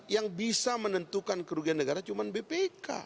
yang bisa menentukan kerugian negara cuma bpk